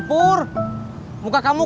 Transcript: wah gua ga merapain